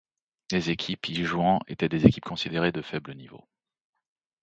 Les équipes y jouant étaient des équipes considérées de faible niveau.